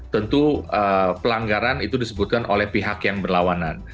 tentu pelanggaran itu disebutkan oleh pihak yang berlawanan